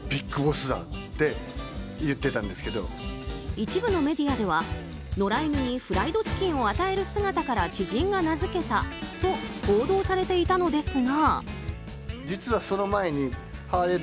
一部のメディアでは野良犬にフライドチキンを与える姿から知人が名付けたと報道されていたのですが。